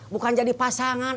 bukan jadi pasangan